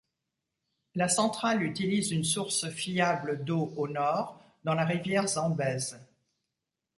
La centrale utilise une source fiable d'eau au nord, dans la rivière Zambèze.